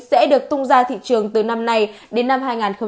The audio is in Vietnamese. sẽ được tung ra thị trường từ năm nay đến năm hai nghìn hai mươi